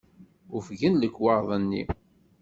Ufgen lekwaɣeḍ-nni.